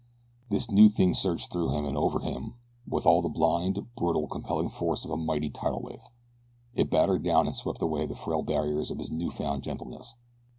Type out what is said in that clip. This new thing surged through him and over him with all the blind, brutal, compelling force of a mighty tidal wave. It battered down and swept away the frail barriers of his new found gentleness.